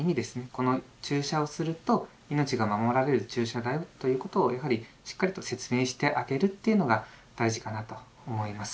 「この注射をすると命が守られる注射だよ」ということをやはりしっかりと説明してあげるというのが大事かなと思います。